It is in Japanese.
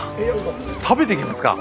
食べていきますか。